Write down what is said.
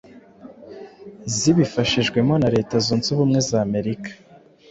zibifashijwemo na leta zunz’ubumwe z’amerika